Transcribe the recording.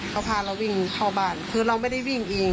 เขาพาเราวิ่งเข้าบ้านคือเราไม่ได้วิ่งเอง